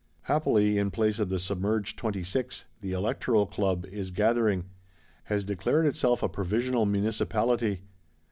Happily, in place of the submerged Twenty six, the Electoral Club is gathering; has declared itself a "Provisional Municipality."